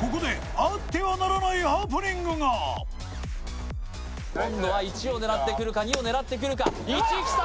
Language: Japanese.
ここであってはならないハプニングが今度は１を狙ってくるか２を狙ってくるか１きた